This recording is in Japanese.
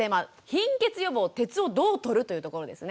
貧血予防鉄をどうとるというところですね。